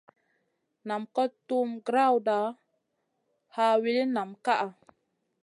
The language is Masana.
Nam kot tuhm grawda, ha wilin nam ka.